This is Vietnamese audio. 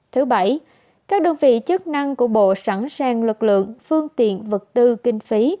thứ bảy các đơn vị chức năng của bộ sẵn sàng lực lượng phương tiện vật tư kinh phí